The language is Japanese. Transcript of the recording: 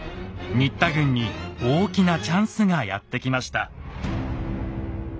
新田軍に大きなチャンスがやって来ました。